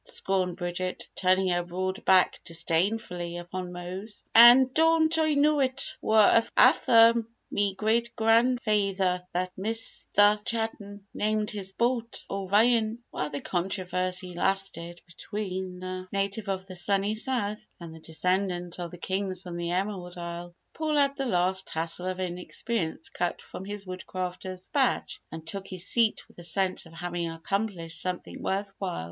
scorned Bridget, turning her broad back disdainfully upon Mose. "An' don't Oi know it war afther me great grand fayther that Misther Cha'ton named his boat 'O'ryan'!" While the controversy lasted between the native of the Sunny South and the descendant of Kings from the Emerald Isle, Paul had the last tassel of inexperience cut from his Woodcrafter's Badge and took his seat with a sense of having accomplished something worth while.